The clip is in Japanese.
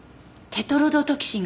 テトロドトキシン？